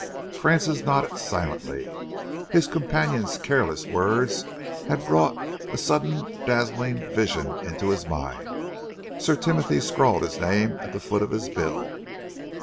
Francis nodded silently. His companion's careless words had brought a sudden dazzling vision into his mind. Sir Timothy scrawled his name at the foot of his bill.